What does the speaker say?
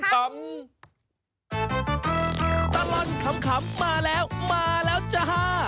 ตลอดข่าวขำมาแล้วมาแล้วจ๊ะฮ่า